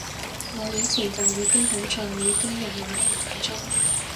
我以前就已經好在意啲人奶唔奶中